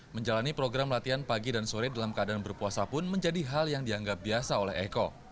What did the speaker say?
menjalani program latihan pagi dan sore dalam keadaan berpuasa pun menjadi hal yang dianggap biasa oleh eko